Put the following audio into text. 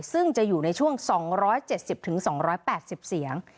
ซึ่งจะอยู่ในช่วง๒๗๐๒๘๐เสียง